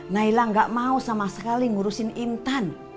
naila gak mau sama sekali ngurusin intan